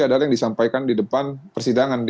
adalah yang disampaikan di depan persidangan